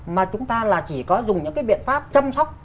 mà chúng ta là chỉ có dùng những cái biện pháp chăm sóc